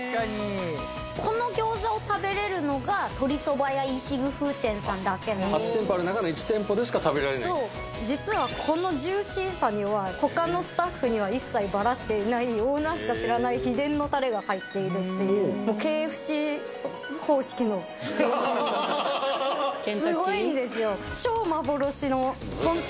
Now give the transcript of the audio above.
この餃子を食べれるのが８店舗ある中の１店舗でしか食べられないそう実はこのジューシーさにはほかのスタッフには一切バラしていないオーナーしか知らない秘伝のタレが入っているっていうの餃子屋さんなんですすごいんですよ